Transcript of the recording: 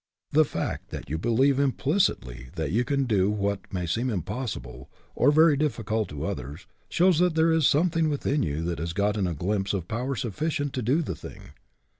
The fact that you believe implicitly that you can do what may seem impossible or very difficult to others, shows that there is some thing within you that has gotten a glimpse of power sufficient to do the thing.